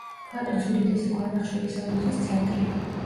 ქვეყნის უდიდესი ქვანახშირის აუზის ცენტრი.